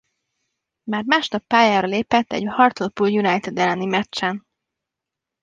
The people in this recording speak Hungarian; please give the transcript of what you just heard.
Már másnap pályára lépett egy Hartlepool United elleni meccsen.